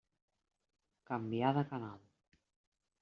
Canvià de canal.